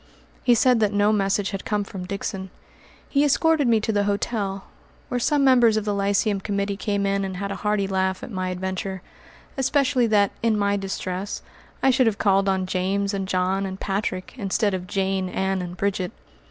He said that no message had come from Dixon. He escorted me to the hotel, where some members of the Lyceum Committee came in and had a hearty laugh at my adventure, especially that, in my distress, I should have called on James and John and Patrick, instead of Jane, Ann, and Bridget.